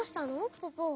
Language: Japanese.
ポポ。